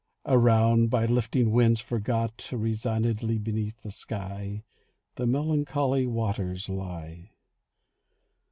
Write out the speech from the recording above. Around, by lifting winds forgot, Resignedly beneath the sky The melancholy waters lie.